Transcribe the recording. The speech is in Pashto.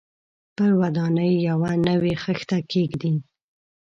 پر ودانۍ یوه نوې خښته کېږدي.